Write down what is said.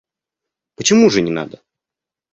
Почему же не надо?